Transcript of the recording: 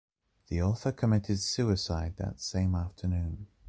The author committed suicide that same afternoon.